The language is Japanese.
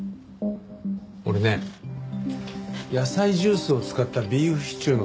俺ね野菜ジュースを使ったビーフシチューの作り方